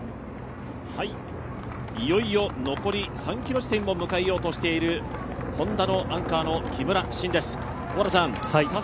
いよいよ残り３ｋｍ地点を迎えようとしているＨｏｎｄａのアンカーの木村慎です。